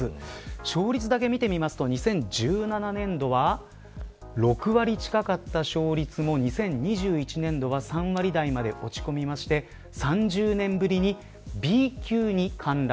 勝率だけ見てみると２０１７年度は６割近かった勝率も２０２１年度は３割台まで落ち込みまして３０年ぶりにＢ級に陥落。